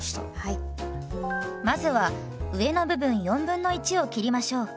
まずは上の部分1/4を切りましょう。